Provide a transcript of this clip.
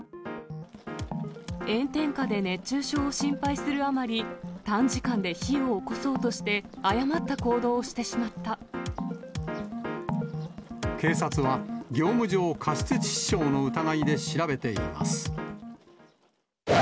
炎天下で熱中症を心配するあまり、短時間で火をおこそうとして、警察は、業務上過失致死傷の疑いで調べています。